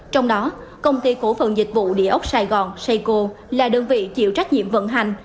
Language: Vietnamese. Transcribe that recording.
trong đó công ty cổ phần dịch vụ địa ốc sài gòn sayco là đơn vị chịu trách nhiệm vận hành